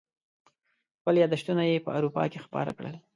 خپل یاداشتونه یې په اروپا کې خپاره کړي.